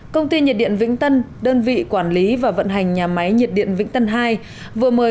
công ty nhiệt điện vĩnh tân đơn vị quản lý và vận hành nhà máy nhiệt điện vĩnh tân hai vừa mời